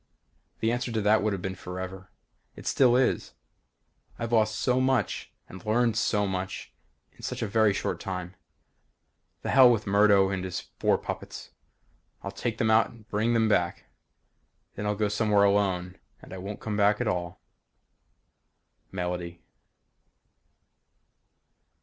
The answer to that would have been forever. It still is. I've lost so much and learned so much in such a very short time. The hell with Murdo and his four puppets. I'll take them out and bring them back. Then I'll go somewhere alone and I won't come back at all. Melody.